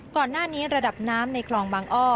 ก่อนหน้านี้ระดับน้ำในคลองบางอ้อ